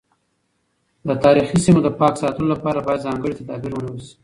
د تاریخي سیمو د پاک ساتلو لپاره باید ځانګړي تدابیر ونیول شي.